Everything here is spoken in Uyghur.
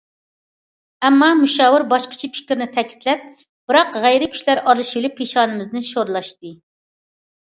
ئەمما مۇشاۋىر باشقىچە پىكىرنى تەكىتلەپ:- بىراق، غەيرىي كۈچلەر ئارىلىشىۋېلىپ، پېشانىمىز شورلاشتى.